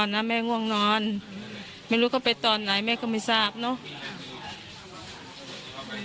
จะขึ้นไปนอนนะแม่ง่วงนอนไม่รู้เข้าไปตอนไหนแม่ก็ไม่ทราบเนอะ